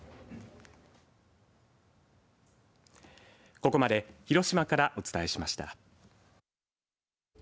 ここまで広島からお伝えしました。